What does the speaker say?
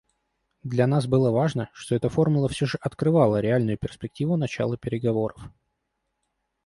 Для нас было важно, что эта формула все же открывала реальную перспективу начала переговоров.